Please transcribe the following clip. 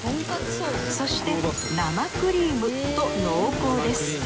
そして生クリームと濃厚です。